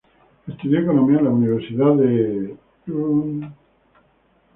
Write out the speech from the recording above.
Estudió economía en la Universidad de St.